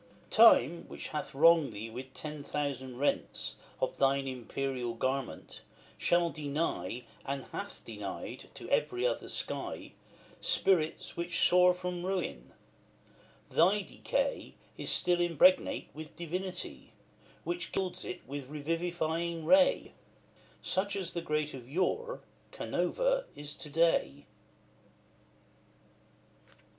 Time, which hath wronged thee with ten thousand rents Of thine imperial garment, shall deny, And hath denied, to every other sky, Spirits which soar from ruin: thy decay Is still impregnate with divinity, Which gilds it with revivifying ray; Such as the great of yore, Canova is to day.